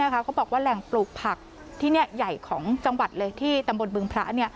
เขาบอกว่าแหล่งปลูกผักที่นี่ใหญ่ของจังหวัดเลยที่ตำบลบึงพระ